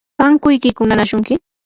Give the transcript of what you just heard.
¿ankuykiku nanaashunki?